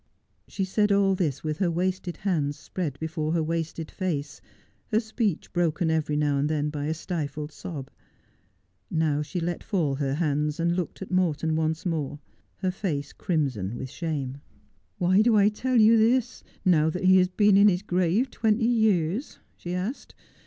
She said all this with her wasted hands spread before her wasted face, her speech broken every now and then by a stiiit d sob. Xow she let fall her hands, and looked at Morton once more, her face crimson with shame. ' Why do I tell you this now that he has been in his grave twenty years ?' she asked.